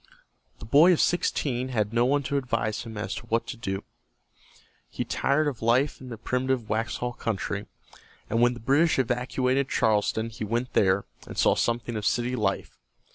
The boy of sixteen had no one to advise him as to what to do. He tired of life in the primitive Waxhaw country, and when the British evacuated Charleston he went there, and saw something of city life.